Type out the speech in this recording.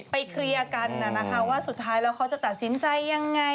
เคลียร์กันนะคะว่าสุดท้ายแล้วเขาจะตัดสินใจยังไง